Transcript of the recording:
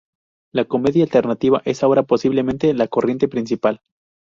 La comedia alternativa es ahora posiblemente la corriente principal.